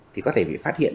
thì có thể bị phát hiện